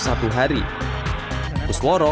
pembel pembayaran dari pemerintah jawa tengah